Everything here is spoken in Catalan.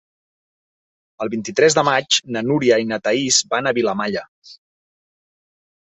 El vint-i-tres de maig na Núria i na Thaís van a Vilamalla.